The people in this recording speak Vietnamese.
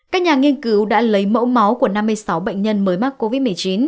các nhà nghiên cứu đã lấy mẫu máu của năm mươi sáu bệnh nhân mới mắc covid một mươi chín